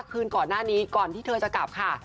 คืนก่อนหน้านี้ก่อนที่เธอจะกลับค่ะ